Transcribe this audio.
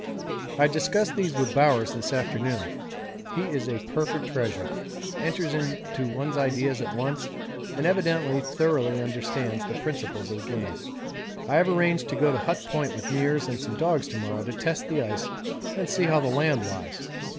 I discussed these with Bowers this afternoon he is a perfect treasure, enters into one's ideas at once, and evidently thoroughly understands the principles of the game. I have arranged to go to Hut Point with Meares and some dogs to morrow to test the ice and see how the land lies.